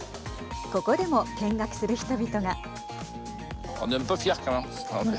ここでも見学する人々が。